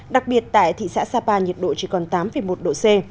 đặc biệt tại thị xã sapa nhiệt độ chỉ còn tám một độ c